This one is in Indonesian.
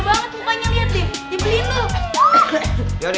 ih bahagia banget mukanya liat deh dibeliin lu